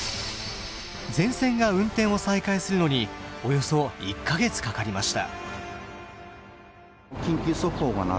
全線が運転を再開するのにおよそ１か月かかりました。